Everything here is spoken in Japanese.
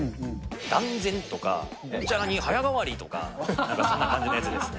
断然とか、早変わりとか、なんかそんな感じのやつですね。